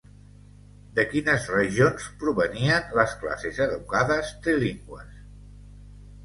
De quines regions provenien les classes educades trilingües?